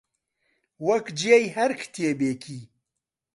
وەک جێی هەر کتێبێکی